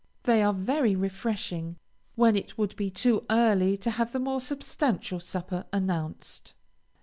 They are very refreshing, when it would be too early to have the more substantial supper announced.